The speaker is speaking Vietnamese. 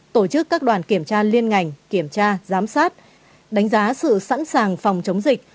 tổ chức các đoàn kiểm tra liên ngành kiểm tra giám sát đánh giá sự sẵn sàng phòng chống dịch